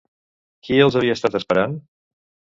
Qui els havia estat esperant?